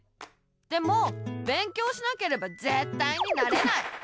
でも勉強しなければぜったいになれない！